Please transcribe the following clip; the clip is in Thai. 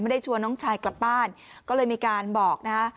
ได้ชวนน้องชายกลับบ้านก็เลยมีการบอกนะฮะ